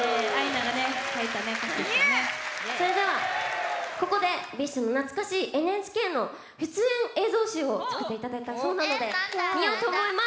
それではここで ＢｉＳＨ の懐かしい ＮＨＫ の出演映像集を作っていただいたそうなので見ようと思います！